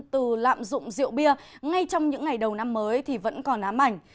từ lạm dụng rượu bia ngay trong những ngày đầu năm mới thì vẫn còn ám ảnh